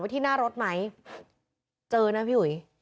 ไว้ที่หน้ารถมั้ยเจอนะพี่อุ๋ย